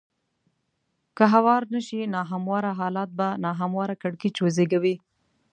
که هوار نه شي نا همواره حالات به نا همواره کړکېچ وزېږوي.